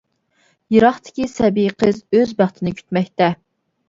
يىراقتىكى سەبىي قىز، ئۆز بەختىنى كۈتمەكتە.